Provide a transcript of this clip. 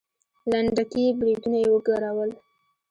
لنډکي برېتونه يې وګرول.